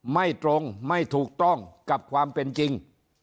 ไม่ตรงไม่ถูกต้องกับความเป็นจริง